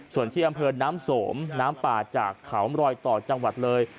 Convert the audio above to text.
ส่วนที่อำเภอน้ำสมน้ำป่าจากเขามรอยต่อจังหวัดเลย